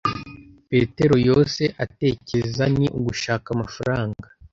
Petero yose atekereza ni ugushaka amafaranga.